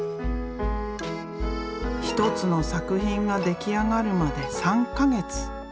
一つの作品が出来上がるまで３か月。